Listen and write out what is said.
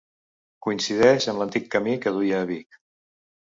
Coincideix amb l'antic camí que duia a Vic.